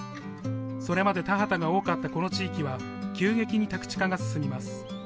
それまで田畑が多かったこの地域は急激に宅地化が進みます。